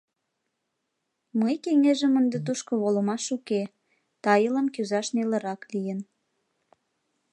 — Мый кеҥежым ынде тушко волымаш уке, тайылым кӱзаш нелырак лийын.